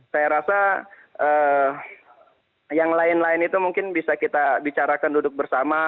saya rasa yang lain lain itu mungkin bisa kita bicarakan duduk bersama